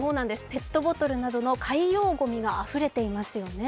ペットボトルなどの海洋ごみがあふれていますよね。